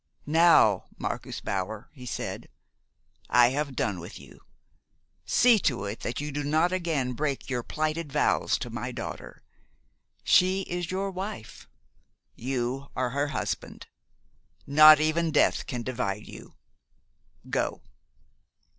"Now, Marcus Bauer," he said, "I have done with you. See to it that you do not again break your plighted vows to my daughter! She is your wife. You are her husband. Not even death can divide you. Go!"